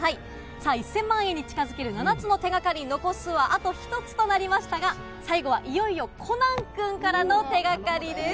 さあ、１０００万円に近づける７つの手がかり、残すはあと１つとなりましたが、最後はいよいよコナン君からの手がかりです。